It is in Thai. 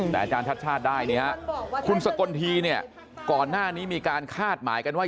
แต่จานชาติชาติได้คุณสกนทีก่อนหน้านี้มีการคาดหมายกันว่า